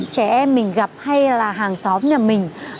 trẻ em mình gặp hay là hàng xóm nhà mình